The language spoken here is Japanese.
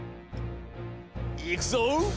いくぞ！